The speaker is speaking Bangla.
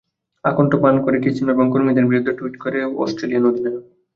আকণ্ঠ পান করে ক্যাসিনো এবং কর্মীদের বিরুদ্ধে টুইট করে বসেন অস্ট্রেলিয়ান অধিনায়ক।